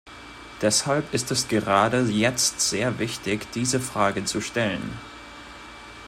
Deshalb ist es gerade jetzt sehr wichtig, diese Frage zu stellen.